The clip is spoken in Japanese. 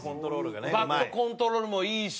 バットコントロールもいいし。